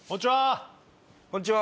こんちは！